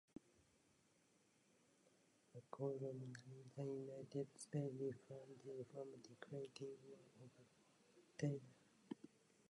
Accordingly, the United States refrained from declaring war on Thailand.